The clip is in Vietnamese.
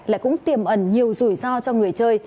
lại cũng tiềm ẩn nhiều rủi ro cho người